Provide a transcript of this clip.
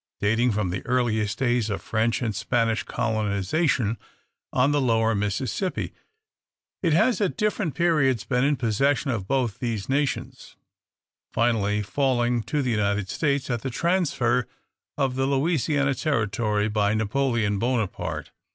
Dating from the earliest days of French and Spanish colonisation, on the Lower Mississippi, it has at different periods been in possession of both these nations; finally falling to the United States, at the transfer of the Louisiana territory by Napoleon Bonaparte.